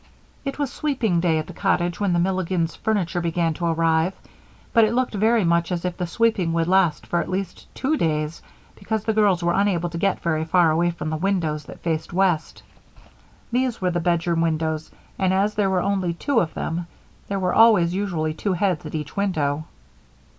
It was sweeping day at the cottage when the Milligans' furniture began to arrive, but it looked very much as if the sweeping would last for at least two days because the girls were unable to get very far away from the windows that faced west. These were the bedroom windows, and, as there were only two of them, there were usually two heads at each window.